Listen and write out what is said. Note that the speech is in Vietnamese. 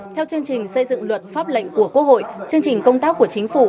theo chương trình xây dựng luật pháp lệnh của quốc hội chương trình công tác của chính phủ